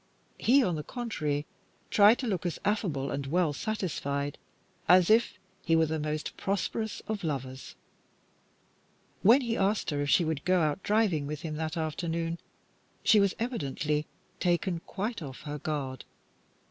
He, on the contrary, tried to look as affable and well satisfied as if he were the most prosperous of lovers. When he asked her if she would go out driving with him that afternoon, she was evidently taken quite off her guard.